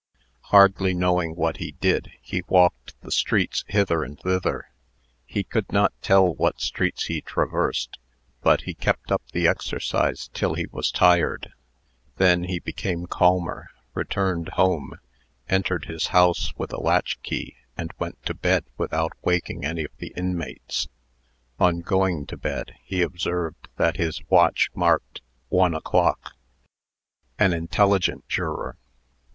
Hardly knowing what he did, he walked the streets hither and thither. He could not tell what streets he traversed, but he kept up the exercise till he was tired. Then he became calmer, returned home, entered the house with a latch key, and went to bed without waking any of the inmates. On going to bed, he observed that his watch marked one o'clock. An intelligent juror.